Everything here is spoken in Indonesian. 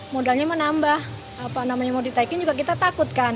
modalnya menambah apa namanya mau ditaikin juga kita takutkan